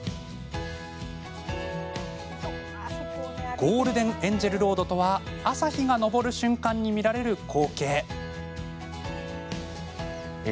ゴールデンエンジェルロードとは朝日が昇る瞬間に見られる光景。